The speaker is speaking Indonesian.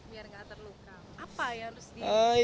biar gak terluka apa yang harus di